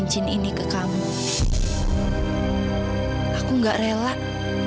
terima kasih bapak